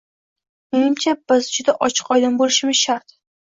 Menimcha, biz juda ochiq-oydin boʻlishimiz shart.